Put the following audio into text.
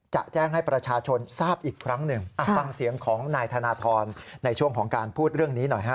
จะแจ้งให้ประชาชนทราบอีกครั้งหนึ่งฟังเสียงของนายธนทรในช่วงของการพูดเรื่องนี้หน่อยฮะ